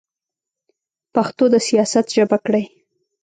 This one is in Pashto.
پښتو د سیاست ژبه کړئ.